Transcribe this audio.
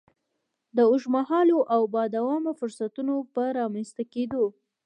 د اوږد مهالو او با دوامه فرصتونو په رامنځ ته کېدو.